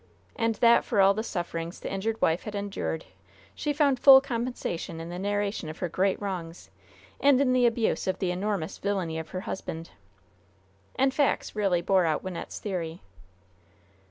And that for all the sufferings the injured wife had endured she found full compensation in the narration of her great wrongs, and in the abuse of the enormous villainy of her husband. And facts really bore out Wynnette's theory.